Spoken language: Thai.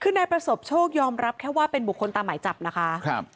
คือนายประสบโชคยอมรับแค่ว่าเป็นบุคคลตามหมายจับนะคะครับ